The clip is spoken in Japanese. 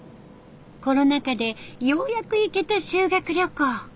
コロナ禍でようやく行けた修学旅行。